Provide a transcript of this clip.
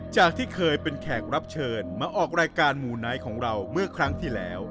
จากที่เคยเป็นแขกรับเชิญมาออกรายการหมู่ไนท์ของเราเมื่อครั้งที่แล้ว